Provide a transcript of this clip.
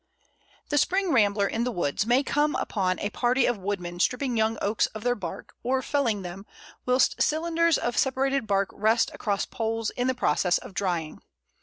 The spring rambler in the woods may come upon a party of woodmen stripping young Oaks of their bark, or felling them, whilst cylinders of separated bark rest across poles in the process of drying.